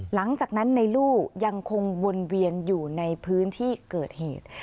หลังจากนั้นในลู่ยังคงวนเวียนอยู่ในพื้นที่เกิดเหตุ